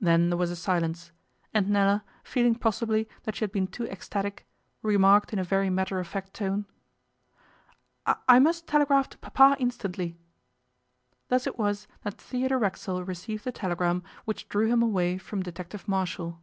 Then there was a silence, and Nella, feeling possibly that she had been too ecstatic, remarked in a very matter of fact tone: 'I must telegraph to Papa instantly.' Thus it was that Theodore Racksole received the telegram which drew him away from Detective Marshall.